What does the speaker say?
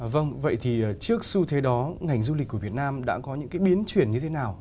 vâng vậy thì trước xu thế đó ngành du lịch của việt nam đã có những cái biến chuyển như thế nào